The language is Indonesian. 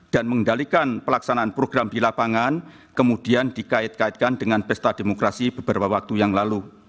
dan mengendalikan pelaksanaan program di lapangan kemudian dikait kaitkan dengan pesta demokrasi beberapa waktu yang lalu